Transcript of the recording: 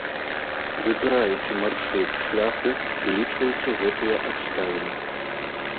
Выбіраючы маршрут шляху, улічвайце гэтыя абставіны.